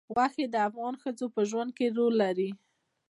غوښې د افغان ښځو په ژوند کې رول لري.